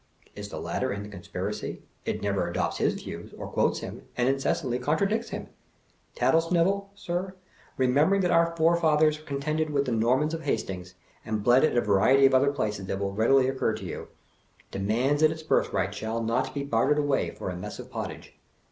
(Is the latter in the con spiracy? It never adopts his views, or quotes him, and incessantly contradicts him.) Tattlesnivel, sir, remember ing that our forefathers contended with the Norman at Hastings, and bled at a variety of other places that will readily occur to you, demands that its birthright shall not be bartered away for a mess of pottage.